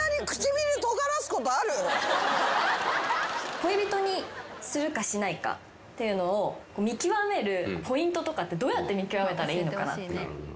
恋人にするかしないかっていうのを見極めるポイントとかってどうやって見極めたらいいのかなって。